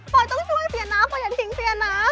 โฟย์ต้องช่วยเฟียนะโฟย์อย่าทิ้งเฟียนะ